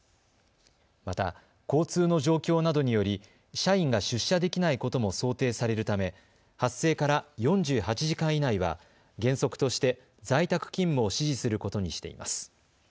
また、交通の状況などにより社員が出社できないことも想定されるため発生から４８時間以内は原則として在宅勤務を指示することにしています。